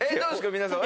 皆さん。